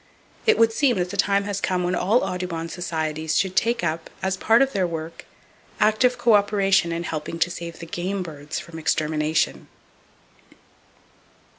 It would seem that the time has come when all Audubon Societies should take up, as a part of their work, active co operation in helping to save the game birds from extermination.